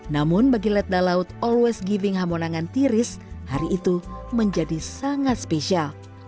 namun bagi letda laut alwas giving hamonangan tiris hari itu menjadi sangat spesial